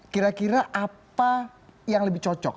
kira kira apa yang lebih cocok